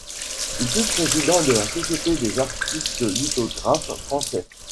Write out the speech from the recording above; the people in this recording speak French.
Il fut président de la Société des artistes lithographes français.